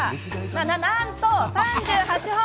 なんと３８本。